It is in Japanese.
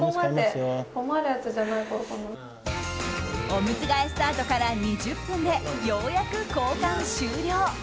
おむつ替えスタートから２０分でようやく交換終了。